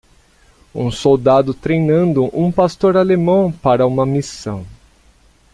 Um soldado treinando um pastor alemão para uma missão.